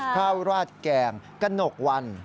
ข้าวราดแกงกระหนกวัน